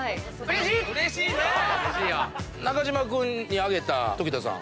中島君に挙げた常田さん。